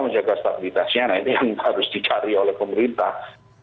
menjaga stabilitasnya nah ini yang harus dicari oleh pemerintah